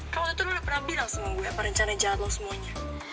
kalo itu lo udah pernah bilang sama gue apa rencana jahat lo semuanya